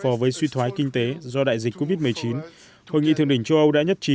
trong thời gian suy thoái kinh tế do đại dịch covid một mươi chín hội nghị thượng đỉnh châu âu đã nhất trí